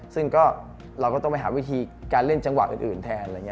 ซึ่งเราก็ต้องไปหาวิธีการเล่นจังหวะอื่นแทน